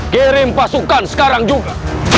kirim pasukan sekarang juga